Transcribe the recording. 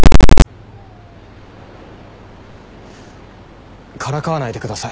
からかわないでください。